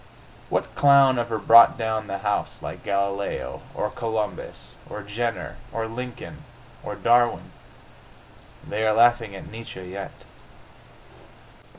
What clown ever brought down the house like Galileo? Or Columbus? Or Jenner? Or Lincoln? Or Darwin?... They are laughing at Nietzsche yet....